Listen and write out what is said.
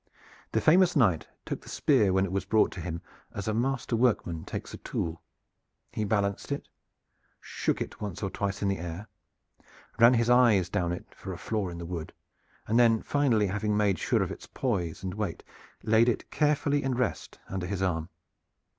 The famous knight took the spear when it was brought to him as a master workman takes a tool. He balanced it, shook it once or twice in the air, ran his eyes down it for a flaw in the wood, and then finally having made sure of its poise and weight laid it carefully in rest under his arm.